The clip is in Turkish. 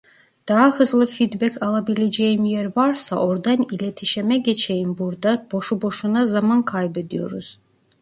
Daha hızlı feedback alabileceğim yer varsa ordan iletişeme geçeyim burda boşu boşuna zaman kaybediyoruz